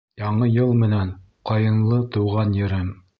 Яңы йыл менән, Ҡайынлы тыуған Ерем!